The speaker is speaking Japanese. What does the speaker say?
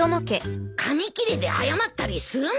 紙切れで謝ったりするなよ！